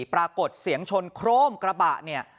ปรากฏเสียงชนโครมกระบะเนี่ย